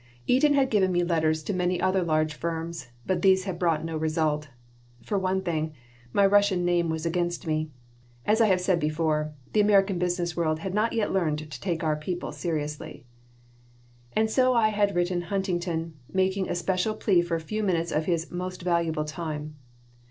Eaton had given me letters to many other large firms, but these had brought no result. For one thing, my Russian name was against me. As I have said before, the American business world had not yet learned to take our people seriously And so I had written Huntington, making a special plea for a few minutes of his "most valuable time."